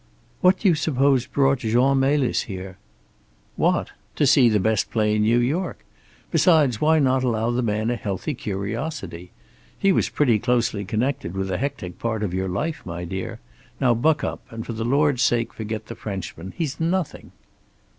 "What do you suppose brought Jean Melis here?" "What? To see the best play in New York. Besides, why not allow the man a healthy curiosity? He was pretty closely connected with a hectic part of your life, my dear. Now buck up, and for the Lord's sake forget the Frenchman. He's got nothing."